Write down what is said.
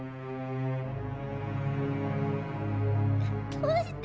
どうして。